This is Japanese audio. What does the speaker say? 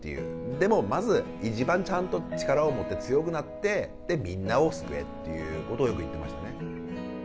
でもまず一番ちゃんと力を持って強くなってでみんなを救えっていうことをよく言ってましたね。